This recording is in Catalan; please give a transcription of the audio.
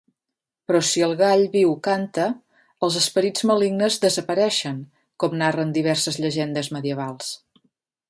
Però si el gall viu canta, els esperits malignes desapareixen, com narren diverses llegendes medievals.